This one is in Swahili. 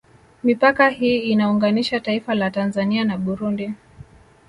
Mipaka hii inaunganisha taifa la Tanzania na Burundi